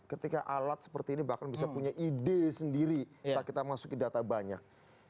ketika alat seperti ini bahkan bisa punya ide sendiri saat kita masukin data banyak